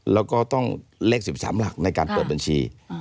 แล้วก็ต้องเลข๑๓หลักในการเปิดบัญชี